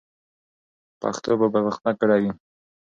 پښتو به پرمختګ کړی وي.